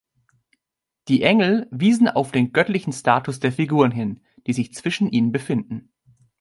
Die Engel wiesen auf den göttlichen Status der Figuren hin, die sich zwischen ihnen befinden.